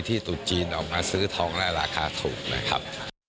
ตุดจีนออกมาซื้อทองและราคาถูกนะครับ